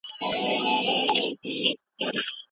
د تخلیقي ادب شننه پوهه غواړي.